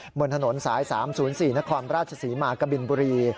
บนถนนสาย๓๐๔นครราชศรีมากบินบุรี